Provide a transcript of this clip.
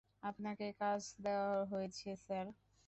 আপনাকে কাজ দেওয়া হয়েছে, স্যার।